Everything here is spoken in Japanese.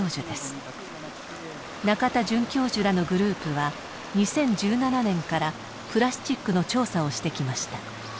中田准教授らのグループは２０１７年からプラスチックの調査をしてきました。